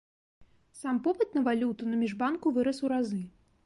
Сам попыт на валюту на міжбанку вырас у разы.